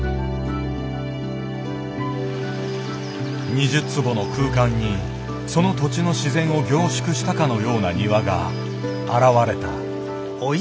２０坪の空間にその土地の自然を凝縮したかのような庭が現れた。